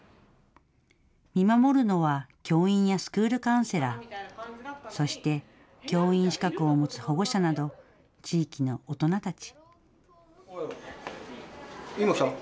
見守るのは教員やスクールカウンセラー、そして教員資格を持つ保護者など、地域の大人たち。